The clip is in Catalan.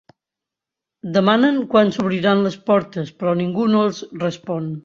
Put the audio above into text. Demanen quan s'obriran les portes, però ningú no els respon.